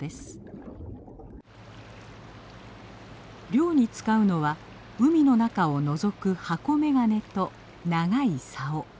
漁に使うのは海の中をのぞく箱眼鏡と長いさお。